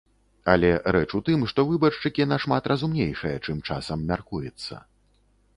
Але рэч у тым, што выбаршчыкі нашмат разумнейшыя, чым часам мяркуецца.